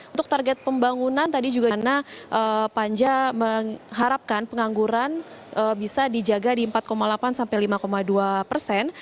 untuk target pembangunan tadi juga karena panja mengharapkan pengangguran bisa dijaga di empat delapan sampai lima dua persen